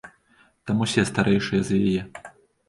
Там усе старэйшыя за яе.